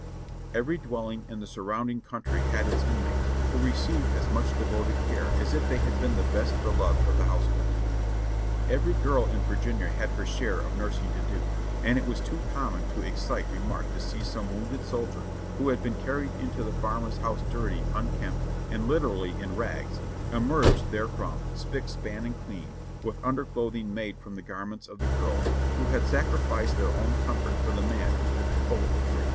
Every dwelling in the surrounding country had its inmates, Vvdio received as much devoted care as if they had been the best beloved of the household. Every girl in Virginia had her share of nursing to do, and it was too common to excite remark to see some wounded soldier, who had been carried into the farmer's house dirty, unkempt, and literally in rags, emerge therefrom spick, span and clean, with underclothing made from the garments of the girls, who had sacri ficed their own comfort for the man who could pull a trigger.